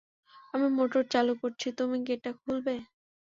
আমি মোটর চালু করছি, তুমি গেটটা খুলবে।